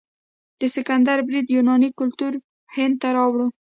د سکندر برید یوناني کلتور هند ته راوړ.